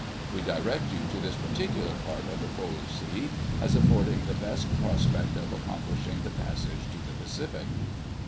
We direct you to this particular part of the Polar Sea, as affording the best prospect of accomplishing the passage to the Pacific."